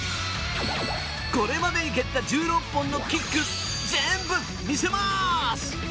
これまでに蹴った１６本のキック、全部見せます！